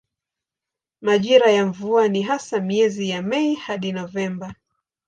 Majira ya mvua ni hasa miezi ya Mei hadi Novemba.